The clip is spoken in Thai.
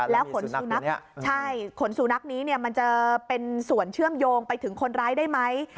แล้วขนสุนัขใช่ขนสุนัขนี้มันจะเป็นส่วนเชื่อมโยงไปถึงคนร้ายได้ไหม